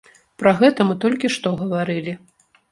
Пра гэта мы толькі што гаварылі.